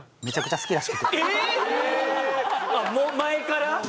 もう前から？